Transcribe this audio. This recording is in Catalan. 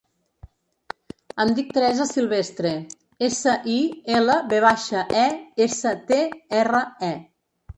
Em dic Teresa Silvestre: essa, i, ela, ve baixa, e, essa, te, erra, e.